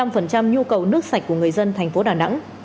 khoảng tám mươi năm nhu cầu nước sạch của người dân thành phố đà nẵng